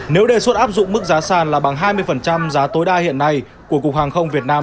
nếu đề xuất áp dụng mức giá sàn là bằng hai mươi giá tối đa hiện nay của cục hàng không việt nam